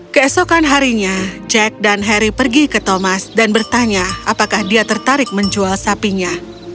keesokan harinya jack dan harry pergi ke thomas dan bertanya apakah dia tertarik menjual sapinya